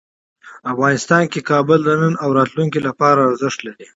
افغانستان کې کابل د نن او راتلونکي لپاره ارزښت لري.